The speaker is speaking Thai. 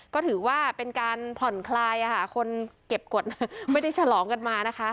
ก็ถือว่าเป็นการผ่อนคลายคนเก็บกฎไม่ได้ฉลองกันมานะคะ